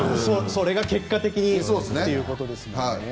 それが結果的にということですよね。